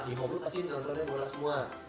di home lu pasti nontonnya bola semua